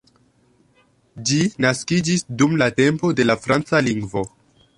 Ĝi naskiĝis dum la tempo de la franca lingvo.